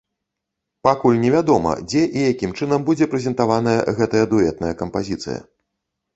Пакуль невядома, дзе і якім чынам будзе прэзентаваная гэтая дуэтная кампазіцыя.